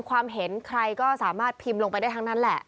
ความเห็นใครก็สามารถพิมพ์ลงไปได้ทั้งนั้นแหละ